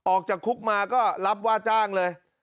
ออกจากคุกมาก็รับว่าจ้างเลย